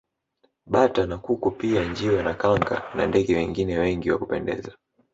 Bata na kuku pia njiwa na kanga na ndege wengine wengi wa kupendeza